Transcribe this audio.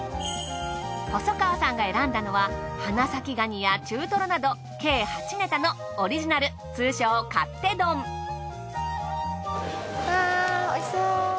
細川さんが選んだのは花咲蟹や中とろなど計８ネタのオリジナル通称勝手丼。わおいしそう。